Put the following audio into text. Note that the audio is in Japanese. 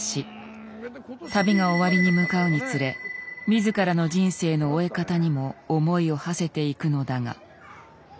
旅が終わりに向かうにつれ自らの人生の終え方にも思いをはせていくのだが。